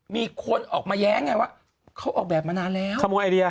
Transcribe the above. มีคนออกมาแย้งไงวะเขาออกแบบมานานแล้ว